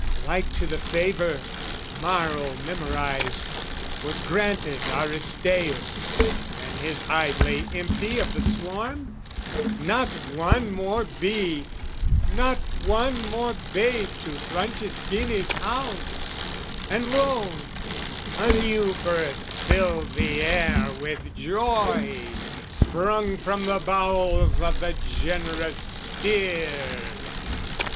Like to the favour, Maro memorised, Was granted AristAeus when his hive Lay empty of the swarm, not one more bee Not one more babe to Franceschini's house And lo, a new birth filled the air with joy, Sprung from the bowels of the generous steed!